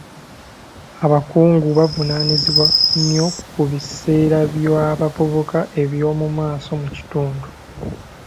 Abakungu bavunaanyizibwa nnyo ku biseera by'abavukuba eby'omu maaso mu kitundu.